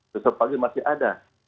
besok pagi masih ada